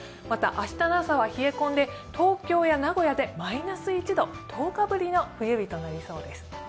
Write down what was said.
また明日の朝は冷え込んで東京や名古屋でマイナス１度、１０日ぶりの冬日となりそうです。